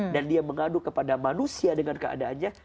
dan dia mengadu kepada manusia dengan keadaannya